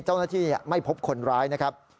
เจ้าหน้าที่ไม่พบคนร้ายนะครับ